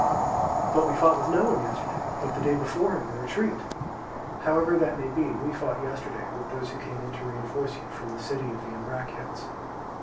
"But we fought with no one yesterday; but the day before in the retreat." "However that may be, we fought yesterday with those who came to reinforce you from the city of the Ambraciots."